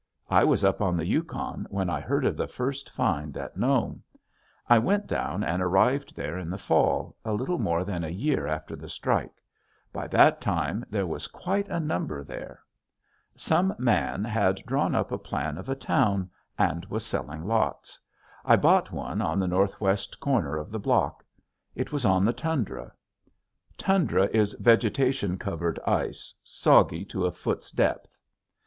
I was up on the Yukon when I heard of the first find at Nome. I went down and arrived there in the fall, a little more than a year after the strike. By that time there was quite a number there. "Some man had drawn up a plan of a town and was selling lots. I bought one on the northwest corner of the block. It was on the tundra. (Tundra is vegetation covered ice, soggy to a foot's depth.)